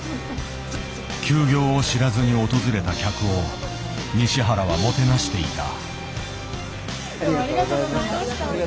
休業を知らずに訪れた客を西原はもてなしていた。